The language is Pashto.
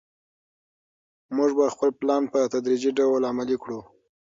موږ به خپل پلان په تدریجي ډول عملي کړو.